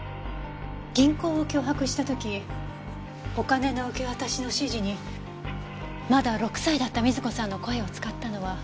銀行を脅迫した時お金の受け渡しの指示にまだ６歳だった瑞子さんの声を使ったのはどうして？